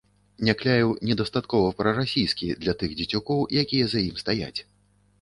Някляеў недастаткова прарасійскі для тых дзецюкоў, якія за ім стаяць.